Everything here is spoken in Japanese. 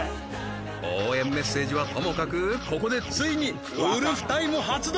応援メッセージはともかくここでついにウルフタイム発動！